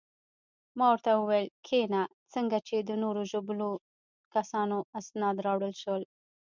ما ورته وویل: کښېنه، څنګه چې د نورو ژوبلو کسانو اسناد راوړل شول.